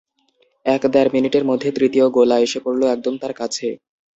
এক-দেড় মিনিটের মধ্যে তৃতীয় গোলা এসে পড়ল একদম তার কাছে।